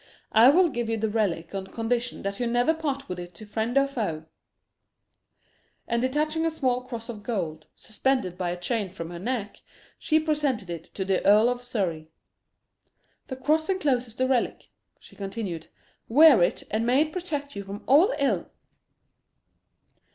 "I will give you the relic on condition that you never part with it to friend or foe." And detaching a small cross of gold, suspended by a chain from her neck, she presented it to the Earl of Surrey. "This cross encloses the relic," she continued; "wear it, and may it protect you from all ill!"